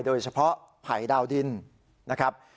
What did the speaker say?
โดยเฉพาะไผ่ดาวดินนะครับ